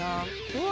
うわ！